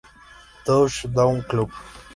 Touchdown Club.